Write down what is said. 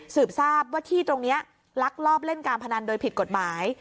ทราบว่าที่ตรงนี้ลักลอบเล่นการพนันโดยผิดกฎหมาย